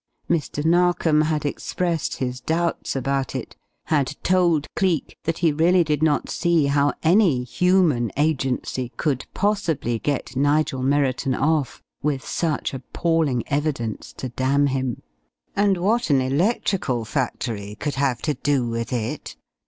Mr. Narkom had expressed his doubts about it, had told Cleek that he really did not see how any human agency could possibly get Nigel Merriton off, with such appalling evidence to damn him. And what an electrical factory could have to do with it...!